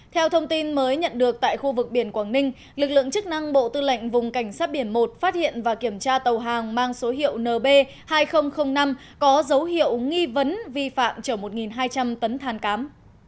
theo thông tin mới nhận được tại khu vực biển quảng ninh lực lượng chức năng bộ tư lệnh vùng cảnh sát biển một phát hiện và kiểm tra tàu hàng mang số hiệu nb hai nghìn năm có dấu hiệu nghi vấn vi phạm chở một hai trăm linh tấn than cám